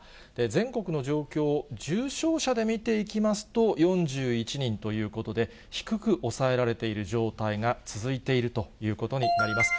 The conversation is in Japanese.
全国の状況を重症者で見ていきますと、４１人ということで、低く抑えられている状態が続いているということになります。